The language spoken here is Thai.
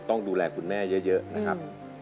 ต้องดูแลคุณแม่เยอะนะครับ